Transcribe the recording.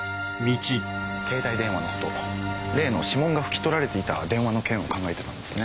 携帯電話のこと例の指紋が拭き取られていた電話の件を考えていたんですね？